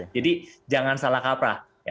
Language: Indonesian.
jadi jangan salah kaprah